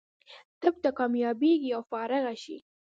طب ته کامیابېږي او فارغه شي.